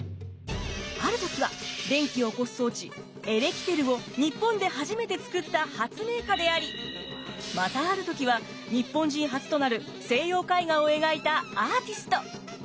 ある時は電気を起こす装置エレキテルを日本で初めて作った発明家でありまたある時は日本人初となる西洋絵画を描いたアーティスト。